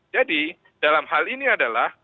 jadi dalam hal ini adalah